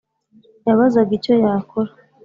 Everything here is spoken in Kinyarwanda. yabazaga icyo yakora […]